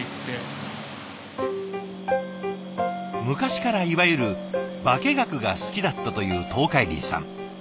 昔からいわゆる化け学が好きだったという東海林さん。